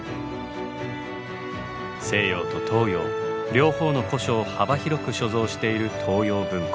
西洋と東洋両方の古書を幅広く所蔵している東洋文庫。